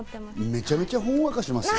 めちゃめちゃほんわかします。